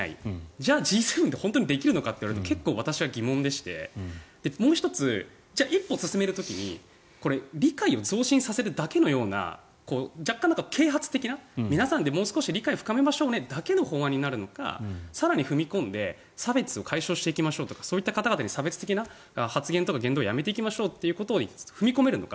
じゃあＧ７で本当にできるのかと言われると私は疑問でもう１つ、一歩進める時にこれ、理解を増進させるだけのような若干、啓発的な皆さんでもう少し理解を深めましょうねだけの法案になるのか更に踏み込んで差別を解消していきましょうとかそういった方々に差別的な言動をやめていきましょうということを踏み込めるのか。